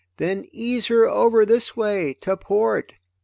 Then ease her over this way to port."